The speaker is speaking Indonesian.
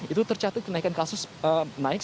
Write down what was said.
itu tercatat kenaikan kasus naik